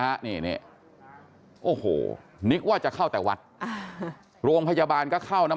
ฮะนี่นี่โอ้โหนึกว่าจะเข้าแต่วัดอ่าโรงพยาบาลก็เข้าน้ำ